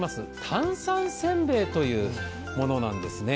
炭酸せんべいというものなんですね。